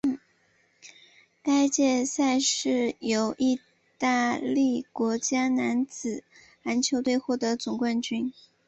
该届赛事由义大利国家男子篮球队获得总冠军。